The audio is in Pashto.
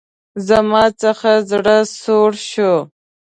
زما څخه زړه سوړ شو.